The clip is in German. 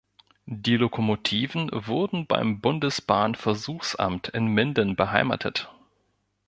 Die Lokomotiven wurden beim Bundesbahn-Versuchsamt in Minden beheimatet.